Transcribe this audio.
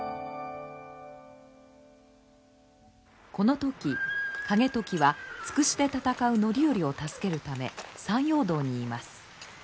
この時景時は筑紫で戦う範頼を助けるため山陽道にいます。